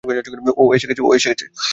ও এসে গেছে!